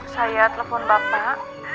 saya telepon bapak